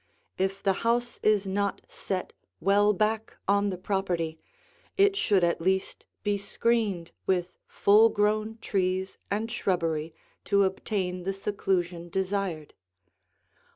If the house is not set well back on the property, it should at least be screened with full grown trees and shrubbery to obtain the seclusion desired.